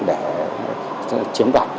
để chiếm đoạn